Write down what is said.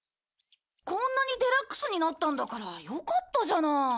こんなにデラックスになったんだからよかったじゃない。